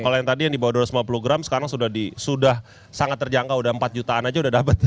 kalau yang tadi yang di bawah dua ratus lima puluh gram sekarang sudah sangat terjangkau empat jutaan aja udah dapat